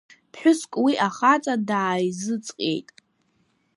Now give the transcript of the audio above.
Ԥҳәыск уи ахаҵа дааизыҵҟьеит.